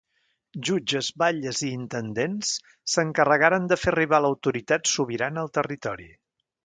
Jutges, batlles i intendents s'encarregaren de fer arribar l'autoritat sobirana al territori.